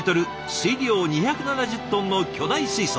水量２７０トンの巨大水槽。